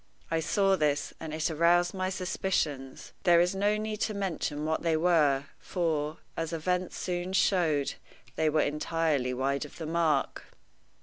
I saw this, and it aroused my suspicions. There is no need to mention what they were, for, as events soon showed, they were entirely wide of the mark.